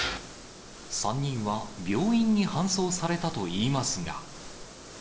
３人は病院に搬送されたといいますが。